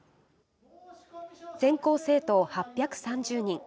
全校生徒８３０人。